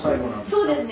そうですね